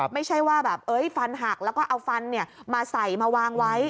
ไม่ใช่ว่าแบบฟันหักแล้วก็เอาฟันมาใส่มาวางไว้